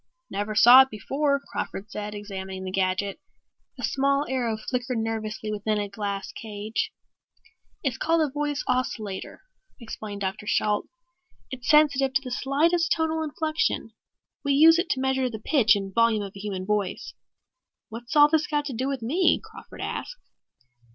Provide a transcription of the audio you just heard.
"Never saw it before," Crawford said, examining the gadget. A small arrow flickered nervously within a glass cage. "It's called a Voice Oscillator," explained Dr. Shalt. "It's sensitive to the slightest tonal inflection. We use it to measure the pitch and volume of a human voice." "What's all this got to do with me?" Crawford asked.